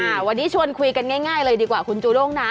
วันนี้ชวนคุยกันง่ายเลยดีกว่าคุณจูด้งนะ